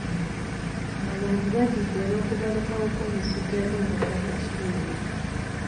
Abantu batidde olw'okubalukawo kw'omusujja gw'enkaka mu kitundu.